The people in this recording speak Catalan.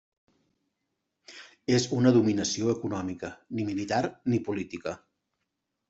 És una dominació econòmica, ni militar, ni política.